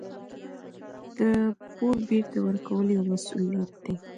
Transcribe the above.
د پور بېرته ورکول یو مسوولیت دی.